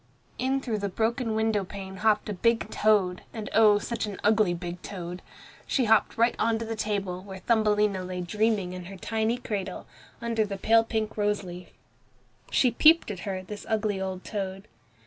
In through the broken window pane hopped a big toad, oh! such an ugly big toad. She hopped right on to the table, where Thumbelina lay dreaming in her tiny cradle, under the pale pink rose leaf. She peeped at her, this ugly old toad.